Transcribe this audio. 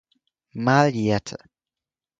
Mal jährte.